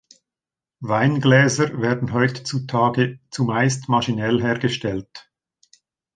Weingläser werden heutzutage zumeist maschinell hergestellt.